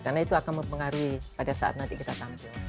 karena itu akan mempengaruhi pada saat nanti kita tampil